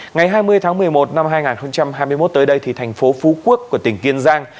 ngày hai mươi tháng một mươi một năm hai nghìn hai mươi một tới đây thì thành phố phú quốc của tỉnh kiên giang